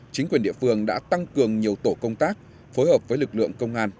chính quyền địa phương đã tăng cường nhiều tổ công tác phối hợp với lực lượng công an